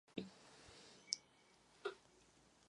Z rodiny pocházeli dva papežové a mnoho kardinálů.